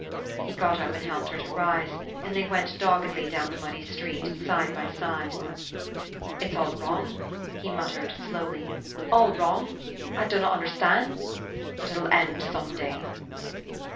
He got up and helped her to rise; and they went doggedly down the muddy street, side by side. "It's all wrong," he muttered, slowly, "all wrong! I dunnot understan'. But it'll end some day."